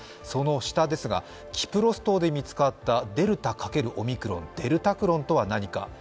その下ですが、キプロス島で見つかったデルタ×オミクロン、デルタクロンとは何か。